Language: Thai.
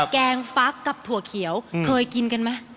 แกงฟักกับถั่วเขียวเคยกินกันไหม